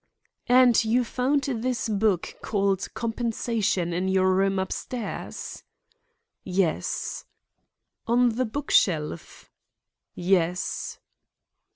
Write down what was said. "And you found this book called COMPENSATION in your room upstairs?" "Yes." "On the book shelf?" "Yes."